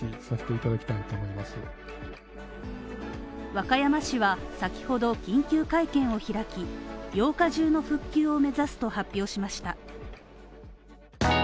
和歌山市は、先ほど緊急会見を開き、８日中の復旧を目指すと発表しました。